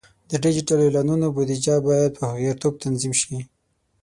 د ډیجیټل اعلانونو بودیجه باید په هوښیارتوب تنظیم شي.